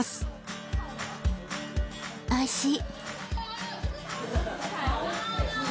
おいしい。